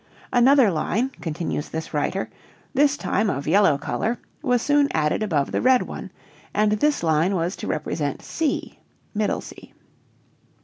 "Another line," continues this writer, "this time of yellow color, was soon added above the red one, and this line was to represent c' (middle C).